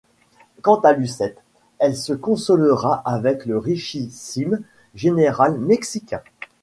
Quant à Lucette, elle se consolera avec le richissime général mexicain.